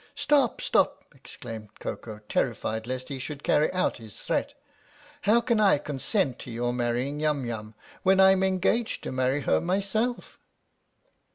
" Stop ! Stop !" exclaimed Koko, terrified lest he should carry out his threat. " How can I consent to your marrying Yum Yum when I'm engaged to marry her myself